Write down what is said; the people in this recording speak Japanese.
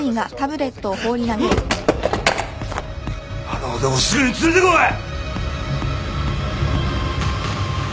あの男すぐに連れてこい！